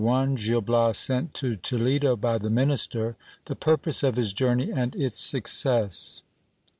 — Gil Bias sent to Toledo by the minister. The purpose of his journey and its success.